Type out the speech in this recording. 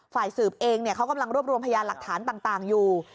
ฝ่ายสืบเองเขากำลังรวบรวมพยานหลักฐานต่างอยู่